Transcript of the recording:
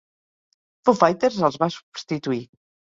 Foo Fighters els va substituir.